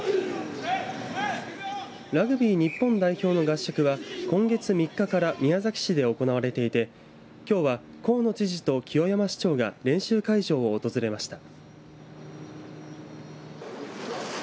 ラグビー日本代表の合宿は今月３日から宮崎市で行われていてきょうは河野知事と清山市長が練習会場を訪れました。